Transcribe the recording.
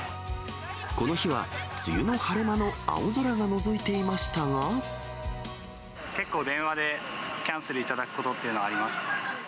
この日は、梅雨の晴れ間の青結構、電話でキャンセルいただくことっていうのはあります。